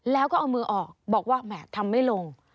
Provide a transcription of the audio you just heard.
แล้วก็เอามือออกบอกว่าแหมทำไม่ลง